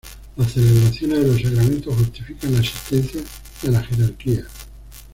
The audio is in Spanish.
Las celebraciones de los sacramentos justifican la existencia de la jerarquía.